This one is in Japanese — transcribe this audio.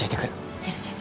いってらっしゃい。